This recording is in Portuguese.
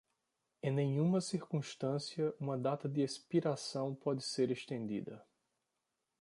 Em nenhuma circunstância uma data de expiração pode ser estendida.